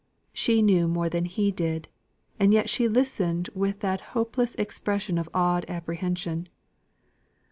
She knew more than he did, and yet she listened with that hopeless expression of awed apprehension.